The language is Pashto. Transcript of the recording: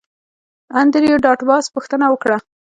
انډریو ډاټ باس پوښتنه وکړه